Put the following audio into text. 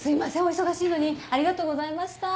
お忙しいのにありがとうございました。